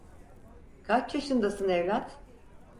Kaç yaşındasın evlat?